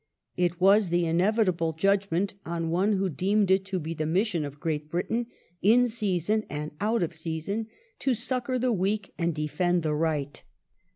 It was the inevitable j udgment on one who deemed it to be the mission of Great Britain, in season and out of season, to succour the weak and defend the right.